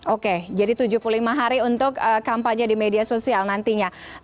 oke jadi tujuh puluh lima hari untuk kampanye di media sosial nantinya